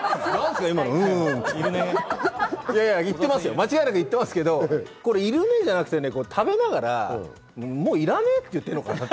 間違いなく言ってますけど、これ「いるね」じゃなくて、食べながら、もういらねえって言っている。